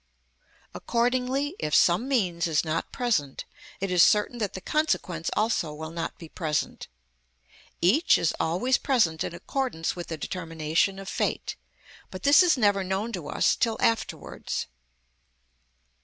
Accordingly, if some means is not present, it is certain that the consequence also will not be present: each is always present in accordance with the determination of fate, but this is never known to us till afterwards.